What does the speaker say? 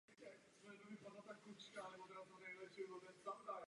To se ukázalo jako daleko efektivnější.